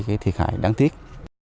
cái thiệt hại đáng tiếc